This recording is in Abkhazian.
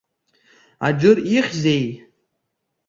Аџыр ихьзеи?